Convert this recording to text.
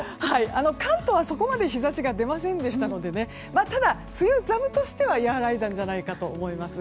関東はそこまで日差しが出ませんでしたのでただ、梅雨寒としては和らいだんじゃないかと思います。